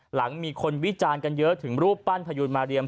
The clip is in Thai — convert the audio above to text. หลังมีคนวิจารณ์กันเยอะถึงรูปปั้นพยูนมาเรียม